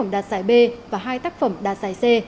đạt giải b và hai tác phẩm đạt giải c